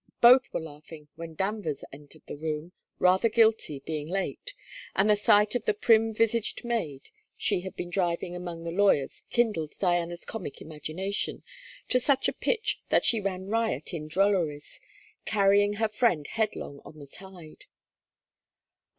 Both were laughing when Danvers entered the room, rather guilty, being late; and the sight of the prim visaged maid she had been driving among the lawyers kindled Diana's comic imagination to such a pitch that she ran riot in drolleries, carrying her friend headlong on the tide.